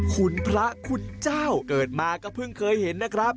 คุณพระคุณเจ้าเกิดมาก็เพิ่งเคยเห็นนะครับ